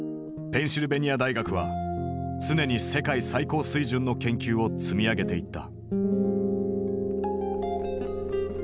ペンシルベニア大学は常に世界最高水準の研究を積み上げていった。